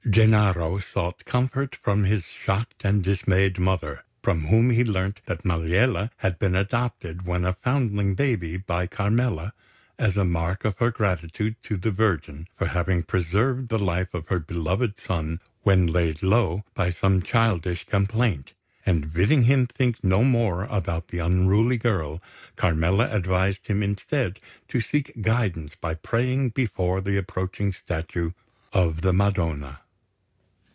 Gennaro sought comfort from his shocked and dismayed mother, from whom he learnt that Maliella had been adopted when a foundling baby by Carmela as a mark of her gratitude to the Virgin for having preserved the life of her beloved son when laid low by some childish complaint; and bidding him think no more about the unruly girl, Carmela advised him instead to seek guidance by praying before the approaching statue of the Madonna.